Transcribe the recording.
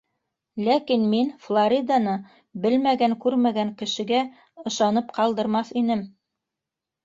Ләкин мин Флориданы белмәгән- күрмәгән кешегә ышанып ҡалдырмаҫ инем...